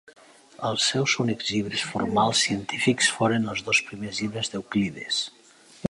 Els seus únics llibres formals científics foren els dos primers llibres d'Euclides.